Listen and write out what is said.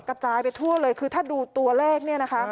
กระจายไปทั่วเลยคือถ้าดูตัวแรก